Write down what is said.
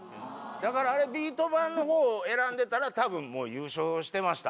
だからあれビート板のほうを選んでたらたぶん優勝してました。